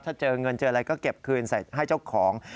ถ้าเจอเงินเจออะไรก็เก็บคืนใส่ให้เจ้าของ